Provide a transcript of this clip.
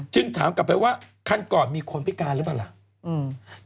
ถามกลับไปว่าคันก่อนมีคนพิการหรือเปล่าล่ะ